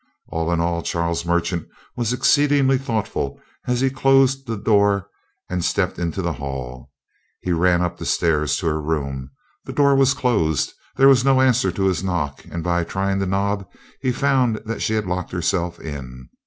All in all, Charles Merchant was exceedingly thoughtful as he closed the door and stepped into the hall. He ran up the stairs to her room. The door was closed. There was no answer to his knock, and by trying the knob he found that she had locked herself in.